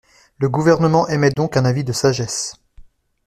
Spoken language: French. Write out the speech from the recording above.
Le Gouvernement émet donc un avis de sagesse.